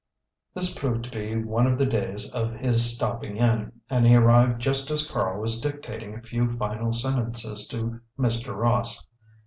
This proved to be one of the days of his stopping in, and he arrived just as Karl was dictating a few final sentences to Mr. Ross.